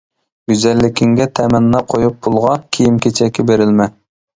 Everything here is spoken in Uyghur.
گۈزەللىكىڭگە تەمەننا قۇيۇپ پۇلغا، كىيىم-كېچەككە بېرىلمە!